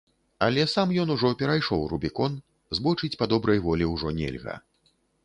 Але сам ён ужо перайшоў рубікон, збочыць па добрай волі ўжо нельга.